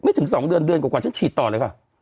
ถึง๒เดือนเดือนกว่าฉันฉีดต่อเลยค่ะ